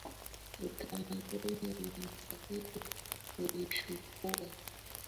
utamaduni wa magharibi ulichukua nafasi yake